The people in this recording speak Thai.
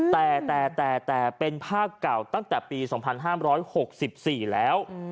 แต่แต่เป็นภาพเก่าตั้งแต่ปี๒๕๖๔แล้ว